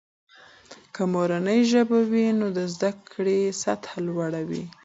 که مورنۍ ژبه وي، نو د زده کړې سطحه لوړه وي.